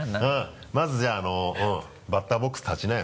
まずじゃあバッターボックス立ちなよ。